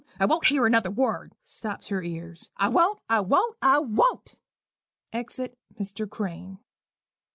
I won't hear another word" [stops her ears]. "I won't, I won't, I won't." [_Exit Mr. Crane.